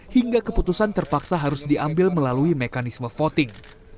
hingga keputusan terpaksa harus diambil melalui mekanisme voting